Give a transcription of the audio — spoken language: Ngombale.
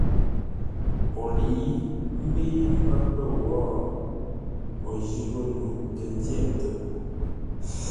O lə̌i mbə́i mbə́ pə̂ wǒ, o jî ghô no tə ndyə́tə́ po.